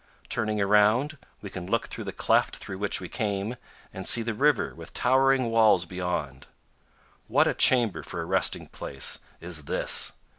Turning around, we can look through the cleft through which we came and see the river with towering walls beyond. What a chamber for a resting place is this!